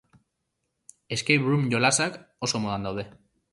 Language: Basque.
Escape-room jolasak oso modan daude.